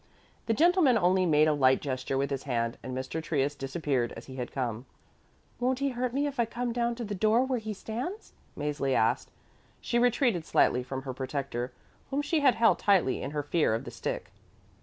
The gentleman only made a light gesture with his hand, and Mr. Trius disappeared as he had come. "Won't he hurt me if I come down to the door where he stands?" Mäzli asked. She retreated slightly from her protector, whom she had held tightly in her fear of the stick.